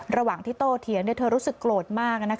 ระหว่างที่โตเถียงเธอรู้สึกโกรธมาก